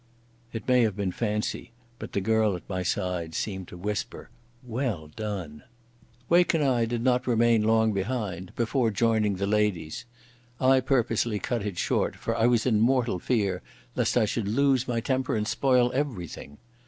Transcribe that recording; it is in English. It may have been fancy, but the girl at my side seemed to whisper "Well done!" Wake and I did not remain long behind before joining the ladies; I purposely cut it short, for I was in mortal fear lest I should lose my temper and spoil everything.